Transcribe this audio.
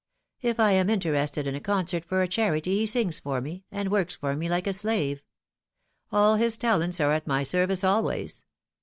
If I am interested in a concert for a charity he sings for me, and works for me like a slave. All his talents are at my service always.